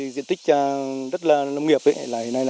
diện tích nông nghiệp hiện nay